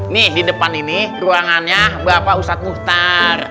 nih di depan ini ruangannya bapak ustadz muhtar